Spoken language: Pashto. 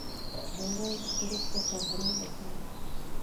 • ژړا له زړه څخه غمونه باسي.